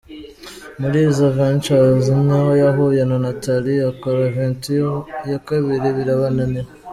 Muri izo aventures niho yahuye na Nathalie, akora aventure ya kabiri baribanira !